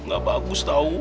gak bagus tau